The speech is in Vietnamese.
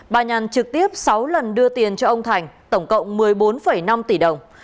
bà nhàn trực tiếp sáu lần đưa tiền cho ông thành tổng cộng một mươi bốn năm tỷ đồng